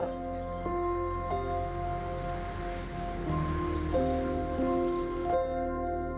terus saya sudah ramang ramang itu